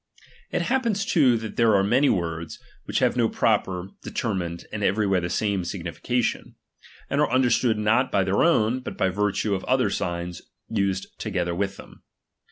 It happens too that there are many words, which have no proper, determined, and everywhere the same signification ; and are understood not by their own, but by virtue ol other signs used together with them.